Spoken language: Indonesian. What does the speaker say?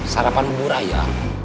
sarapan bubur raya